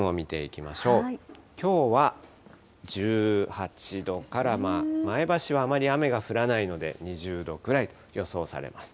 きょうは１８度から、前橋はあまり雨が降らないので２０度くらいと予想されます。